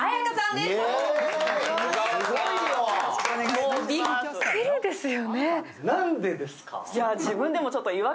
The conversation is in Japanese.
もうびっくりですよね。